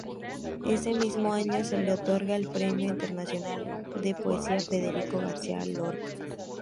Ese mismo año se le otorga el Premio Internacional de Poesía Federico García Lorca.